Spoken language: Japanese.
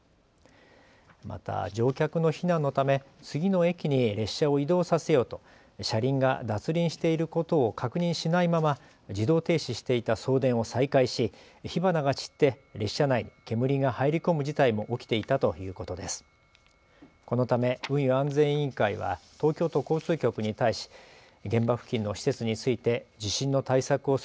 また乗客の避難のため次の駅に列車を移動させようと車両が脱輪していることを確認しないまま自動停止していた送電を再開し火花が散って列車内に煙が入り込む事態も起きていたということです。